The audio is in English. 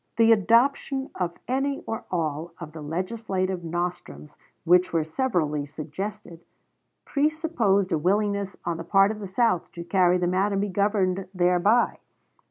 The adoption of any or all of the legislative nostrums which were severally suggested, presupposed a willingness on the part of the South to carry them out and be governed thereby.